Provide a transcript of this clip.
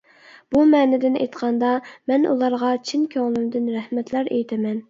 بۇ مەنىدىن ئېيتقاندا، مەن ئۇلارغا چىن كۆڭلۈمدىن رەھمەتلەر ئېيتىمەن!